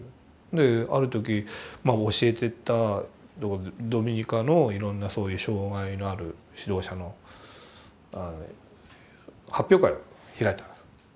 である時教えてたドミニカのいろんなそういう障害のある指導者の発表会開いたの。